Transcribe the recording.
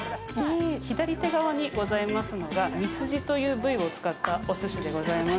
左手側にございますのがミスジという部位を使ったおすしでございます。